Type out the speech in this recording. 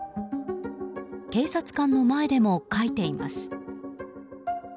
警察官の前でもかいています。